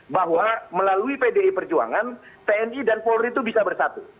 bahwa melalui pdi perjuangan tni dan polri itu bisa bersatu